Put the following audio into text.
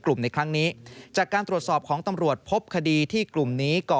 ในครั้งนี้จากการตรวจสอบของตำรวจพบคดีที่กลุ่มนี้ก่อ